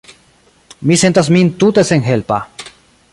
Mi sentas min tute senhelpa.